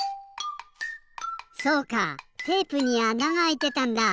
そうかテープにあながあいてたんだ！